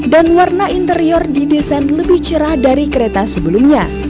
dan warna interior di desain lebih cerah dari kereta sebelumnya